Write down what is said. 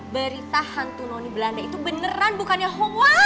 berita hantu noni belanda itu beneran bukannya hoax